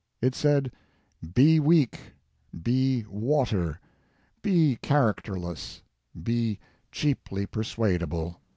It said, "Be weak, be water, be characterless, be cheaply persuadable."